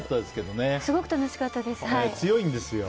すごく楽しかったです。